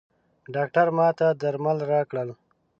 ډاکټر ماته درمل راکړل.